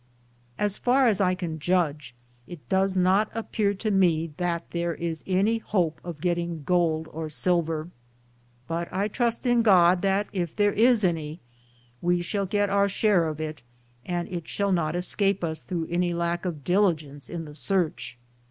As far as I can judge, it does not appear to me that there is any hope of getting gold or silver, but I trust in God that, if there is any, we shall get cur share of it, and it shall not escape us through any lack of diligence in the search.'